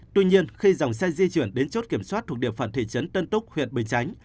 tuy nhiên khi dòng xe di chuyển đến chốt kiểm soát thuộc địa phận thị trấn tân túc huyện bình chánh